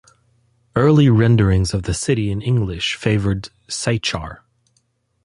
Early renderings of the city in English favored "Saitchar".